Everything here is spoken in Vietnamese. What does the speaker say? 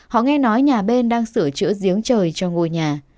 họ nghe nói nhà bên đang sửa chữa giếng trời cho ngôi nhà